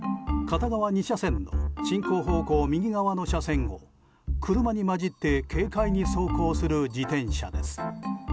片側２車線の進行方向右側の車線を車に交じって軽快に走行する自転車です。